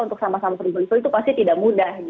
untuk sama sama frugal living itu pasti tidak mudah